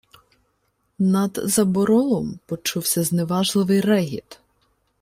Над заборолом почувся зневажливий регіт: